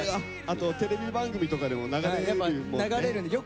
あとテレビ番組とかでも流れるもんね。